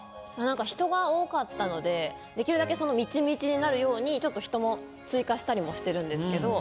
人が多かったのでできるだけみちみちになるようにちょっと人も追加したりもしてるんですけど。